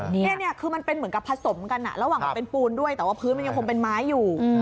นี่คือมันเป็นเหมือนกับผสมกันระหว่างมันเป็นปูนด้วยแต่ว่าพื้นมันยังคงเป็นไม้อยู่